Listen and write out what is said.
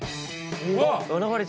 うわっ！